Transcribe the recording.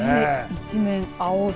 一面青空。